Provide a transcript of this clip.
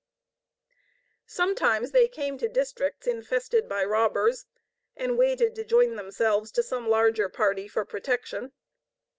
Sometimes they came to districts infested by robbers, and waited to join themselves to some larger party for protection.